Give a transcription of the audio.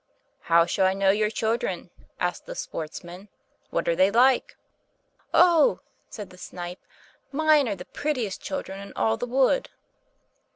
"How shall I know your children?" asked the Sportsman. "What are they like?" "Oh!" said the Snipe, "mine are the prettiest children in all the wood."